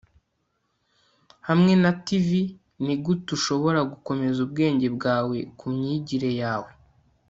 hamwe na t.v., nigute ushobora gukomeza ubwenge bwawe kumyigire yawe